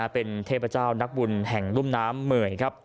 เป็นเทพเจ้านักบุญแห่งรุ่มน้ำเหมยครับ